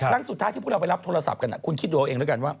เราไปรับโทรศัพท์กันคุณคิดดูเอาเองแล้วกันว่า